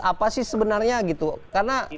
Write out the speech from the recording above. apa sih sebenarnya gitu karena